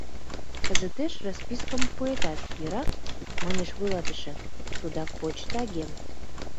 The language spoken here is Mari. Кызытеш распискым пуэтат, йӧра, — манеш вуйлатыше, тудак почто агент.